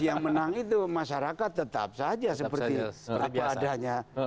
yang menang itu masyarakat tetap saja seperti apa adanya